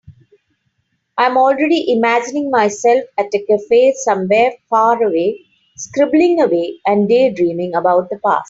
I am already imagining myself at a cafe somewhere far away, scribbling away and daydreaming about the past.